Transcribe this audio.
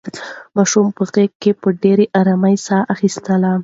ماشوم په غېږ کې په ډېرې ارامۍ ساه اخیستله.